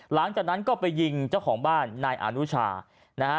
หลังจากนั้นก็ไปยิงเจ้าของบ้านนายอนุชานะฮะ